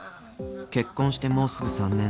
［結婚してもうすぐ３年］